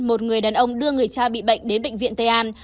một người đàn ông đưa người cha bị bệnh đến bệnh viện tây an